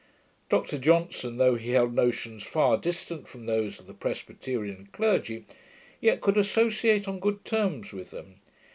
Dr Johnson, though he held notions far distant from those of the Presbyterian clergy, yet could associate on good terms with them.